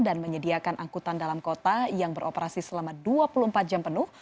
dan menyediakan angkutan dalam kota yang beroperasi selama dua puluh empat jam penuh